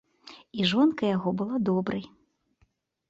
І жонка яго была добрай.